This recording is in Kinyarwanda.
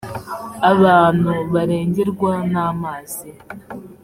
abantu barengerwa n’amazi